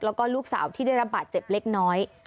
แล้วก็ลูกสาวที่ได้รับบาดเจ็บเล็กน้อย